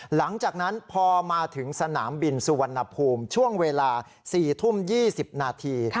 หลังจากนั้นพอมาถึงสนามบินสุวรรณภูมิช่วงเวลา๔ทุ่ม๒๐นาที